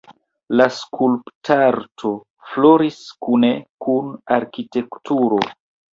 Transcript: La skulptarto floris kune kun arkitekturo.